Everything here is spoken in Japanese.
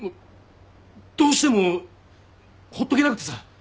どうしてもほっとけなくてさ。